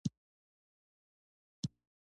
استاد بې له تمې خدمت کوي.